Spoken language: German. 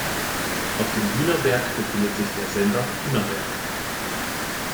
Auf dem Hühnerberg befindet sich der Sender Hühnerberg.